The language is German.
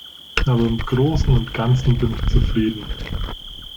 Aber im Großen und Ganzen bin ich zufrieden.